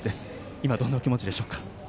今、どんなお気持ちでしょうか？